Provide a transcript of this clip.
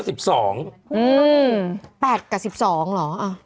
๘กับ๑๒เหรอ